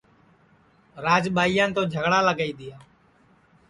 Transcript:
راج ٻائیان تو جھگڑا لگائی دِؔیا